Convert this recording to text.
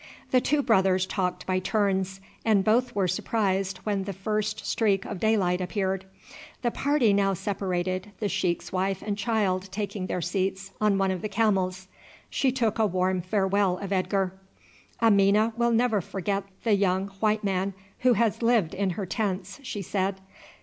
The two brothers talked by turns, and both were surprised when the first streak of daylight appeared. The party now separated, the sheik's wife and child taking their seats on one of the camels. She took a warm farewell of Edgar. "Amina will never forget the young white man who has lived in her tents," she said.